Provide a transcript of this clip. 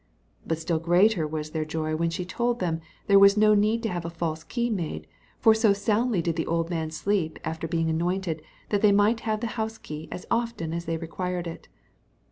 But still greater was their joy when she told them there was no need to have a false key made; for so soundly did the old man sleep after being anointed, that they might have the house key as often as they required it.